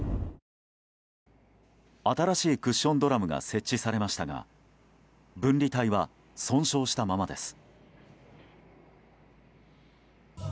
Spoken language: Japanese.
新しいクッションドラムが設置されましたが分離帯は損傷したままです。